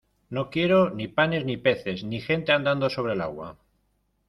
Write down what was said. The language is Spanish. no quiero ni panes, ni peces , ni gente andando sobre el agua